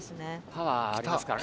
パワーありますから。